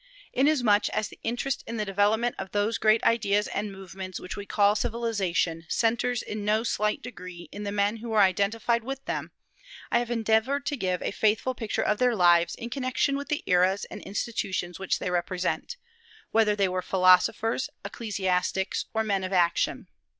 Inasmuch as the interest in the development of those great ideas and movements which we call Civilization centres in no slight degree in the men who were identified with them, I have endeavored to give a faithful picture of their lives in connection with the eras and institutions which they represent, whether they were philosophers, ecclesiastics, or men of action.